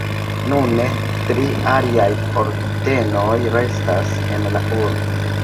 Nune tri aliaj ordenoj restas en la urbo.